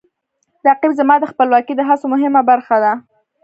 رقیب زما د خپلواکۍ د هڅو مهمه برخه ده